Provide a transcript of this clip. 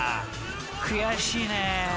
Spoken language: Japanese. ［悔しいね。